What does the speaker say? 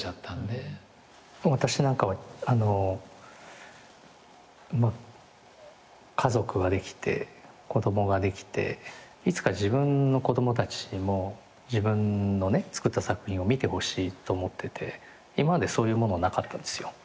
私なんかは家族ができて子供ができていつか自分の子供たちにも自分の作った作品を見てほしいと思ってて今までそういうものなかったんですよ。